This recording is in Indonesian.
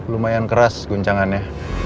lumayan keras guncangannya